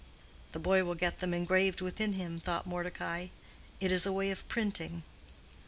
"The boy will get them engraved within him," thought Mordecai; "it is a way of printing."